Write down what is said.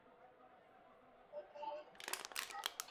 Waiguri Katika karne ya moja Oghuz iliyoshinikizwa na Kirghiz